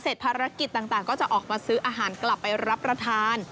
ภารกิจต่างก็จะออกมาซื้ออาหารกลับไปรับประทาน